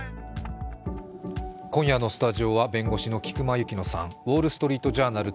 今夜のスタジオは弁護士の菊間千乃さん「ウォール・ストリート・ジャーナル」